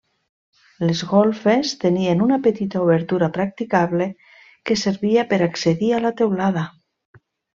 Les golfes tenien una petita obertura practicable que servia per accedir a la teulada.